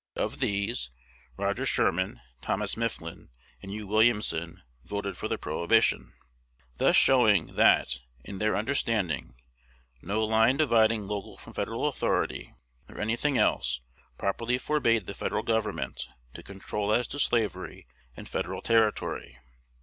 Of these, Roger Sherman, Thomas Mifflin, and Hugh Williamson voted for the prohibition; thus showing, that, in their understanding, no line dividing local from Federal authority, nor any thing else, properly forbade the Federal Government to control as to slavery in Federal territory.